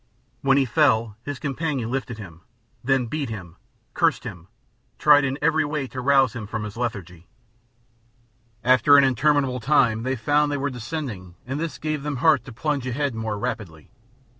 When he fell his companion lifted him, then beat him, cursed him, tried in every way to rouse him from his lethargy. After an interminable time they found they were descending and this gave them heart to plunge ahead more rapidly.